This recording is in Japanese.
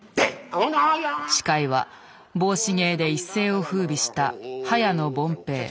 司会は帽子芸で一世をふうびした早野凡平。